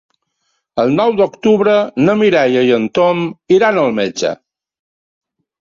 El nou d'octubre na Mireia i en Tom iran al metge.